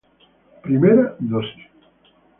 Primera dosis